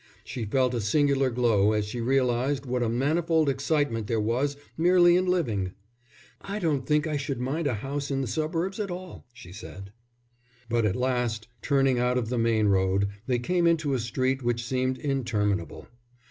She felt a singular glow as she realized what a manifold excitement there was merely in living. "I don't think I should mind a house in the suburbs at all," she said. But at last, turning out of the main road, they came into a street which seemed interminable.